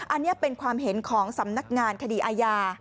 อันนี้เป็นความเห็นของสำนักงานคดีอาญา